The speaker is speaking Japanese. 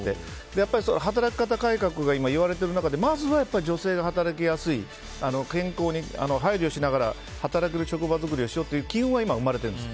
やっぱり働き方改革がいわれている中でまずは女性が働きやすい健康に配慮しながら働く職場作りをしようという機運が生まれているんです。